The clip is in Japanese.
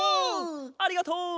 ありがとう！